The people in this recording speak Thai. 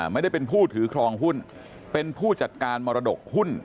ไม่ได้เป็นผู้ถือครองหุ้นเป็นผู้จัดการมรดกหุ้น